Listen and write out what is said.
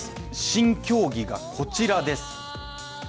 新競技がこちらです。